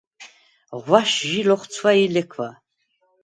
ღვაშ ჟი ლოხცვა ი ლექვა.